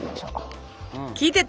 聞いてた？